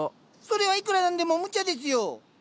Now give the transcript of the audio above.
それはいくらなんでもむちゃですよ！